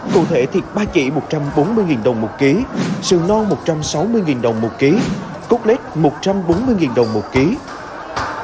cụ thể thịt ba chỉ một trăm bốn mươi đồng một kg sườn non một trăm sáu mươi đồng một kg cốt lết một trăm bốn mươi đồng một kg